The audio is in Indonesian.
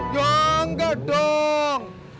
ya engga dong